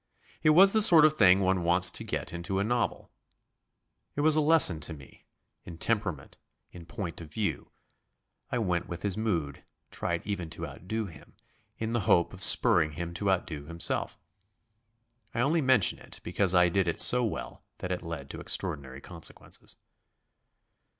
It was the sort of thing one wants to get into a novel. It was a lesson to me in temperament, in point of view; I went with his mood, tried even to outdo him, in the hope of spurring him to outdo himself. I only mention it because I did it so well that it led to extraordinary consequences.